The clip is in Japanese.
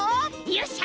よっしゃ！